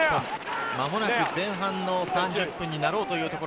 間もなく前半の３０分になろうというところ。